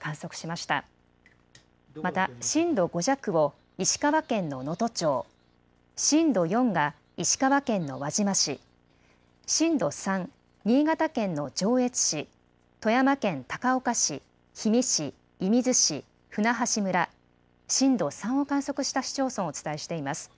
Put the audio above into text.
また震度５弱を石川県の能登町、震度４が石川県の輪島市、震度３、新潟県の上越市、富山県高岡市、氷見市、射水市、舟橋村、震度３を観測した市町村お伝えしています。